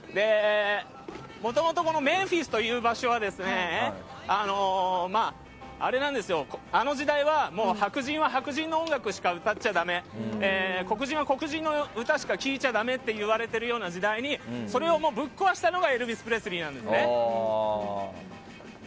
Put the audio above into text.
もともとメンフィスという場所はあの時代はもう白人は白人の音楽しか歌っちゃだめ黒人は黒人の歌しか聴いちゃダメと言われているような時代にそれをぶっ壊したのがエルヴィス・プレスリーなんです。